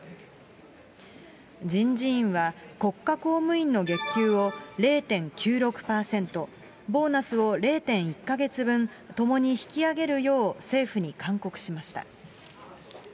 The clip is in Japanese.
人事院は、国家公務員の月給を０．９６％、ボーナスを０．１か月分、ともに引き上げるよう政府に勧告しました。